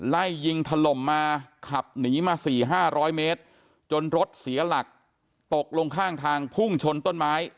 ไล่ยิงถล่มมาขับหนีมาสี่ห้าร้อยเมตรจนรถเสียหลักตกลงข้างทางพุ่งชนต้นไม้